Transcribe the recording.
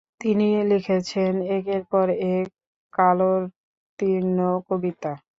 তিনি লিখেছেন একের পর এক কালোত্তীর্ণ কবিতা।